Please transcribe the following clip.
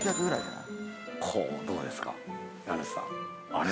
あれ？